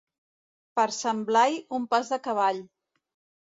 Per Sant Blai, un pas de cavall.